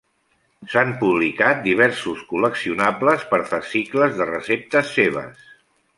S'han publicat diversos col·leccionables per fascicles de receptes seves.